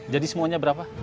jadi semuanya berapa